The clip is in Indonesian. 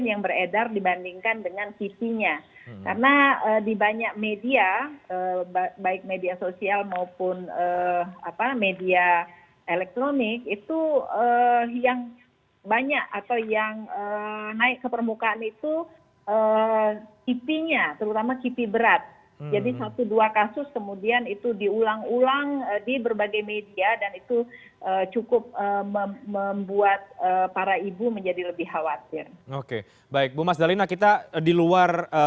yang menyatakan tidak bersedia untuk divaksin